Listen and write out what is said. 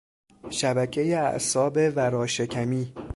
شبکهی اعصاب ورا شکمی